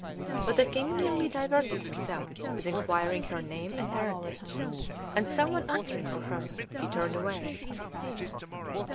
But the king merely diverted himself with inquiring her name and parentage; and some one answering for her, he turned away.